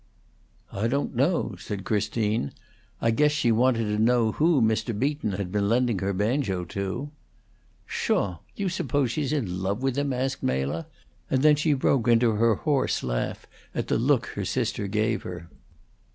"I don't know," said Christine. "I guess she wanted to know who Mr. Beaton had been lending her banjo to." "Pshaw! Do you suppose she's in love with him?" asked Mela, and then she broke into her hoarse laugh at the look her sister gave her.